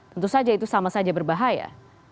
tentu saja itu sama saja berbahaya